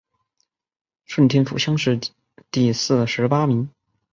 顺天府乡试第四十八名。